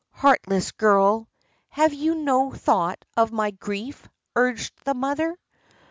"Heartless girl. Have you no thought of my grief?" urged the mother.